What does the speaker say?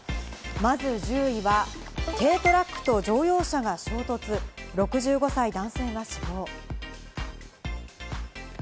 まず１０位は軽トラックと乗用車が衝突、６５歳の男性が死亡。